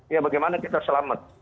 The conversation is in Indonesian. ya bagaimana kita selamat